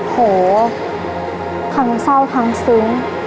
โหทั้งเศร้าทั้งซึ้ง